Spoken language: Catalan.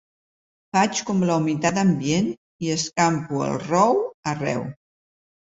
Faig com la humitat ambient i escampo el rou arreu.